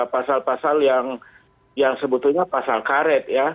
pasal pasal yang sebetulnya pasal karet ya